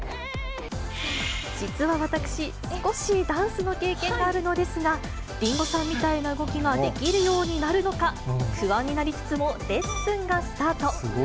実は私、少しダンスの経験があるのですが、リンゴさんみたいな動きができるようになるのか、不安になりつつも、レッスンがスタート。